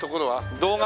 動画？